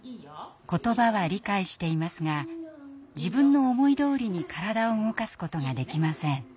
言葉は理解していますが自分の思いどおりに体を動かすことができません。